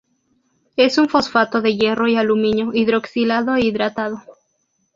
Es un fosfato de hierro y aluminio, hidroxilado e hidratado.